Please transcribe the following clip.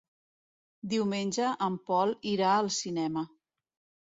Diumenge en Pol irà al cinema.